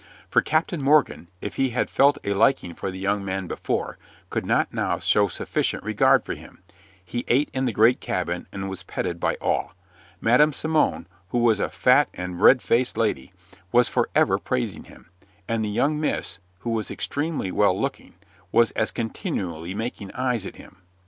For Captain Morgan, if he had felt a liking for the young man before, could not now show sufficient regard for him. He ate in the great cabin and was petted by all. Madam Simon, who was a fat and red faced lady, was forever praising him, and the young miss, who was extremely well looking, was as continually making eyes at him.